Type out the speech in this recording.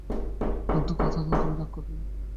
কিন্তু কথা দাও তুমি রাগ করবে না?